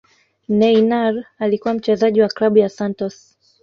neynar alikuwa mchezaji wa klabu ya santos